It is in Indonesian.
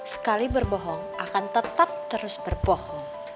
sekali berbohong akan tetap terus berbohong